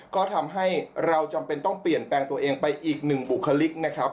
ก็ทำให้เราจำเป็นต้องเปลี่ยนแปลงตัวเองไปอีกหนึ่งบุคลิกนะครับ